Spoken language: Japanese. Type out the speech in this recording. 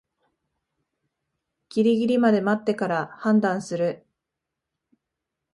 ギリギリまで待ってから判断する